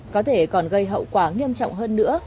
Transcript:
có thể còn gây hậu quả nghiêm trọng hơn nữa